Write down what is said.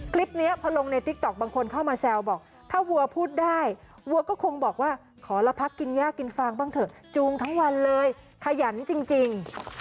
คลิปนี้พอลงในติ๊กต๊อกบางคนเข้ามาแซวบอกถ้าวัวพูดได้วัวก็คงบอกว่าขอละพักกินย่ากินฟางบ้างเถอะจูงทั้งวันเลยขยันจริง